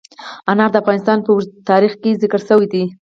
انار د افغانستان په اوږده تاریخ کې ذکر شوی دی.